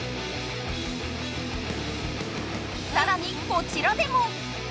さらにこちらでも。